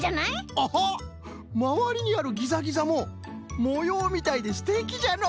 アハまわりにあるギザギザももようみたいですてきじゃのう。